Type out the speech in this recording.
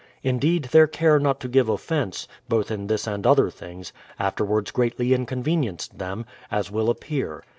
Indeed their care not to give offence, both in this and other things, afterwards greatly inconvenienced them, as will ap pear.